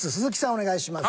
お願いします。